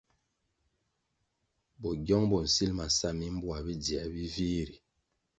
Bogyong bo nsil ma sa mimboa bidziē bi vih ri.